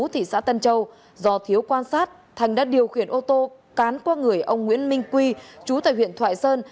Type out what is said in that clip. thị xã tân châu do thiếu quan sát thành đã điều khiển ô tô cán qua người ông nguyễn minh quy chú tại huyện thoại sơn